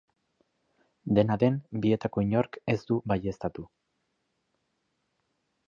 Dena den, bietako inork ez du baieztatu.